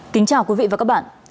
kính chào quý vị và các bạn